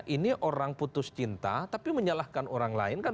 ini orang putus cinta tapi menyalahkan orang lain kan